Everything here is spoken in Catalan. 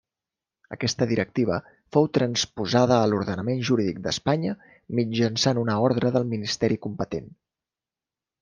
Aquesta directiva fou transposada a l'ordenament jurídic d'Espanya mitjançant una ordre del ministeri competent.